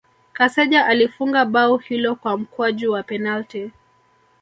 Kaseja alifunga bao hilo kwa mkwaju wa penalti